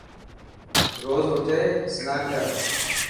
روز اوٺي سنان ڪر.